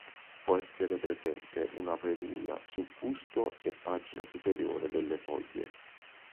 Può essere presente una peluria su fusto e pagina superiore delle foglie.